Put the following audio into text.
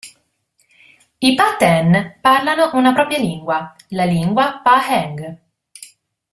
I Pa Then parlano una propria lingua, la lingua Pa-Heng.